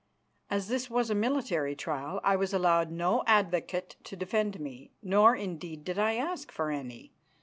As this was a military trial, I was allowed no advocate to defend me, nor indeed did I ask for any.